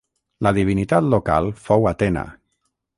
La divinitat local fou Atena.